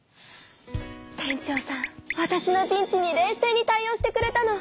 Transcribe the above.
店長さんわたしのピンチに冷静に対応してくれたの。